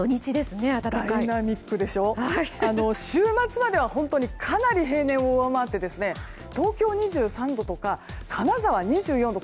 週末まではかなり平年を上回って東京２３度とか、金沢２４度。